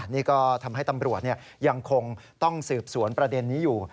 นี่ก็ทำให้ตำรวจยังคงต้องสืบสวนประเด็นนี้อยู่